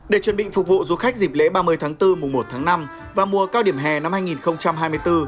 để chuẩn bị phục vụ du khách dịp lễ ba mươi tháng bốn mùa một tháng năm và mùa cao điểm hè năm hai nghìn hai mươi bốn